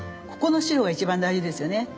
ここの白が一番大事ですよね。